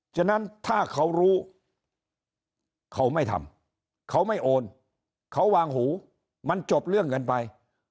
ฉะนั้นถ้าเขารู้เขาไม่ทำเขาไม่โอนเขาวางหูมันจบเรื่องกันไป